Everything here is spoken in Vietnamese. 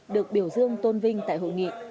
được biểu dương tôn vinh tại hội nghị